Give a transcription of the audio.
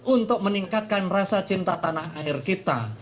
untuk meningkatkan rasa cinta tanah air kita